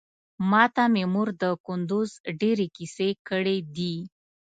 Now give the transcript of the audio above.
ماته مې مور د کندوز ډېرې کيسې کړې دي.